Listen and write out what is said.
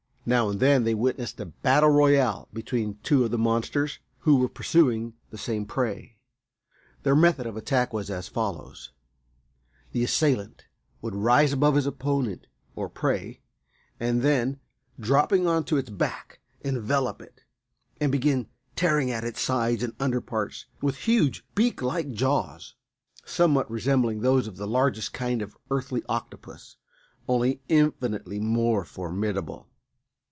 Now and then they witnessed a battle royal between two of the monsters who were pursuing the same prey. Their method of attack was as follows: The assailant would rise above his opponent or prey, and then, dropping on to its back, envelop it and begin tearing at its sides and under parts with huge beak like jaws, somewhat resembling those of the largest kind of the earthly octopus, only infinitely more formidable.